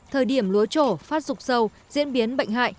thời điểm lúa trổ phát rục sâu diễn biến bệnh hại